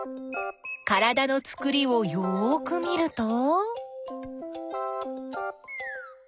からだのつくりをよく見ると？